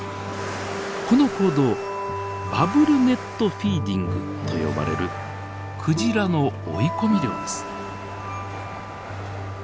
この行動バブルネットフィーディングと呼ばれるクジラの追い込み漁です。